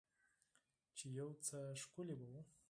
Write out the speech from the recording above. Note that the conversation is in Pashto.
چې يو څه ښکلي به وو.